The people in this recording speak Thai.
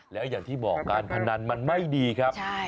แล้วอย่างที่บอกการพนันมันไม่ดีครับ